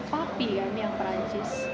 papi kan yang perancis